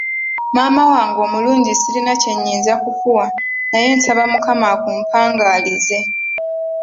Maama wange omulungi ssirina kye nnyinza kukuwa naye nsaba Mukama akumpangaalize!